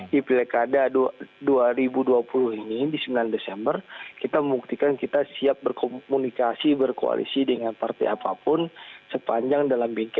di pilkada dua ribu dua puluh ini di sembilan desember kita membuktikan kita siap berkomunikasi berkoalisi dengan partai apapun sepanjang dalam bkn